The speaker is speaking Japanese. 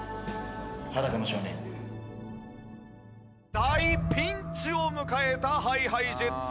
大ピンチを迎えたＨｉＨｉＪｅｔｓ